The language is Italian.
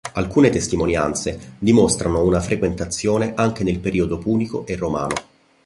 Alcune testimonianze dimostrano una frequentazione anche nel periodo punico e romano.